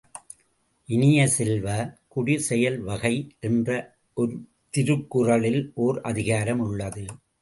இனிய செல்வ, குடி செயல் வகை என்று திருக்குறளில் ஒர் அதிகாரம் உள்ளது.